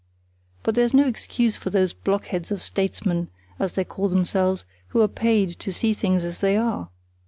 But there's no excuse for those blockheads of statesmen, as they call themselves, who are paid to see things as they are.